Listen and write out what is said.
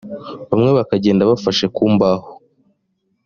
bamwe bakagenda bafashe ku mbaho